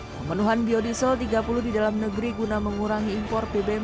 pemenuhan biodiesel tiga puluh di dalam negeri guna mengurangi impor bbm